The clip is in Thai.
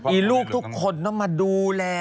มีลูกทุกคนต้องมาดูแล